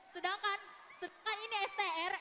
sedangkan sedangkan ini str